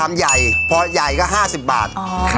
พอใหญ่ก็ห้าสิบบาท